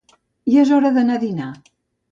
Ja és hora d'anar a dinar